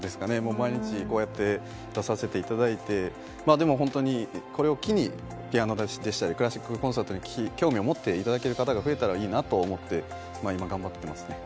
毎日、こうやって出させていただいてでも本当に、これを機にピアノやクラシックコンサートに興味を持っていただける方が増えたらいいなと思って今、頑張っていますね。